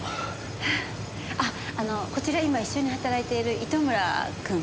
あっあのこちら今一緒に働いている糸村君。